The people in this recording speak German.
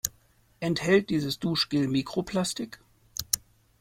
Enthält dieses Duschgel Mikroplastik?